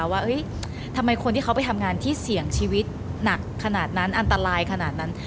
ว่าทำไมคนที่เขาไปทำงานที่เสี่ยงชีวิตหนักขนาดนั้นอันตรายขนาดนั้น